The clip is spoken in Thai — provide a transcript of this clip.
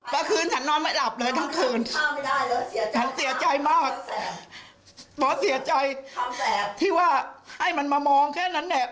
เมื่อคืนฉันนอนไม่หลับเลยทั้งคืนฉันเสียใจมากหมอเสียใจที่ว่าให้มันมามองแค่นั้นแหละ